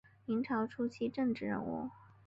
明朝初期政治人物。